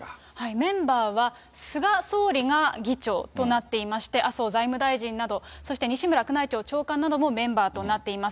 メンバーは、菅総理が議長となっていまして、麻生財務大臣など、そして西村宮内庁長官などもメンバーとなっています。